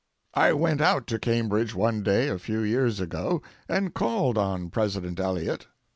I went out to Cambridge one day a few years ago and called on President Eliot.